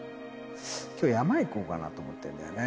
きょう、山行こうかなって思ってんだよね。